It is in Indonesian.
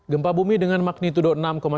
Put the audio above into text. gempa bumi dengan magnitudo enam satu